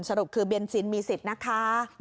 สรุปคือเบนซินมีสิทธิ์นะคะ